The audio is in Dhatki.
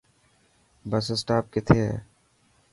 بس اسٽاپ ڪٿي هي.